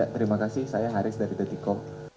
terima kasih saya haris dari dati com